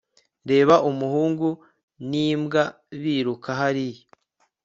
Reba umuhungu nimbwa biruka hariya